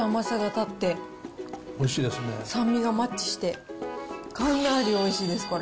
酸味がマッチして、かなりおいしいです、これ。